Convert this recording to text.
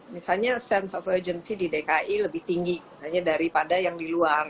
misalnya sense of urgency di dki lebih tinggi daripada yang di luar